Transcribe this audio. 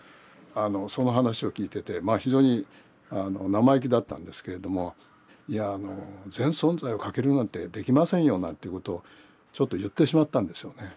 その話を聞いててまあ非常に生意気だったんですけれども「いや全存在をかけるなんてできませんよ」なんていうことをちょっと言ってしまったんですよね。